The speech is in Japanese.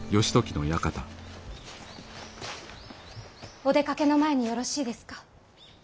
お出かけの前によろしいですか。